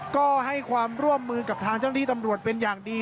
ก็ให้ความร่วมมือกับทางเจ้าหน้าที่ตำรวจเป็นอย่างดี